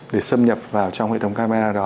để xâm nhập vào trong hệ thống camera đó